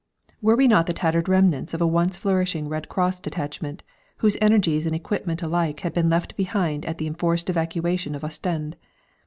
Were we not the tattered remnants of a once flourishing Red Cross detachment, whose energies and equipment alike had been left behind at the enforced evacuation of Ostend?